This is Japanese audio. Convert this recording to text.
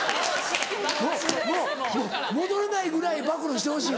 もう戻れないぐらい暴露してほしい。